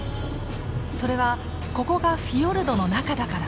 それはここがフィヨルドの中だから。